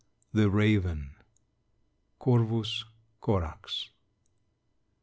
] THE RAVEN. (_Corvus Corax.